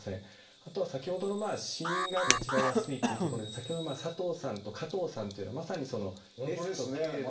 あとは先ほどの子音が間違えやすいっていうところで先ほど「佐藤さん」と「加藤さん」っていうのはまさに「Ｓ」と「Ｋ」で。